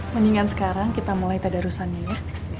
mendingan sekarang kita mulai tadarusannya ya